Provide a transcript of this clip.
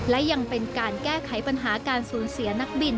และยังเป็นการแก้ไขปัญหาการสูญเสียนักบิน